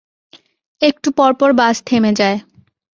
একটু পরপর বাস থেমে যায়।